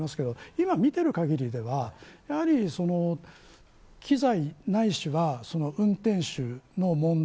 今見ている限りでは機材ないしは運転手の問題